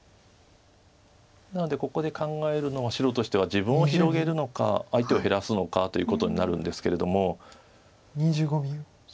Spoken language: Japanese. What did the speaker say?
なのでここで考えるのは白としては自分を広げるのか相手を減らすのかということになるんですけれども。